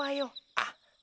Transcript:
あっ。